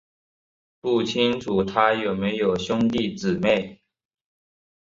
不清楚他有没有兄弟姊妹。